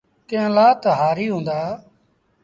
ڪݩهݩ لآ تا هآريٚ هُݩدآ۔